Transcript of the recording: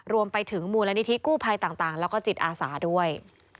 รวมไปถึงมูลนิธิกู้ภัยต่างแล้วก็จิตอาสาด้วย